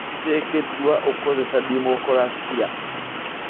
Tuteekeddwa okukozesa demokulasiya.